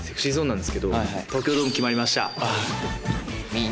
ＳｅｘｙＺｏｎｅなんですけど、東京ドーム、決まりました。